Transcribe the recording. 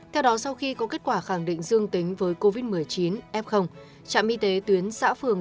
theo đó sau khi có kết quả khẳng định dương tính với covid một mươi chín f trạm y tế tuyến xã phường